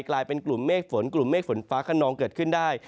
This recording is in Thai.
กลายเป็นกลุ่มเมฆฝนกลุ่มเมฆฝนฟ้าขนองเกิดขึ้นได้